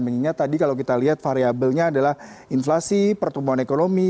mengingat tadi kalau kita lihat variabelnya adalah inflasi pertumbuhan ekonomi